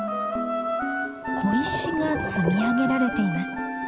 小石が積み上げられています。